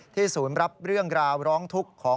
ศูนย์รับเรื่องราวร้องทุกข์ขอ